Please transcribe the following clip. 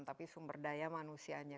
tapi sumber daya manusianya